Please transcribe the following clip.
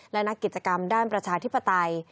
และนักกิจกรรมด้านประชาธิปไตย